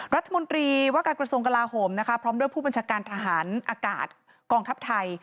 รัฐมนตรีว่าการกระทรวงกลาโหมนะคะพร้อมด้วยผู้บัญชาการทหารอากาศกองทัพไทย